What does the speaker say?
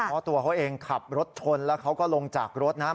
เพราะตัวเขาเองขับรถชนแล้วเขาก็ลงจากรถนะครับ